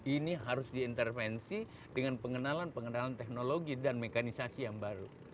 ini harus diintervensi dengan pengenalan pengenalan teknologi dan mekanisasi yang baru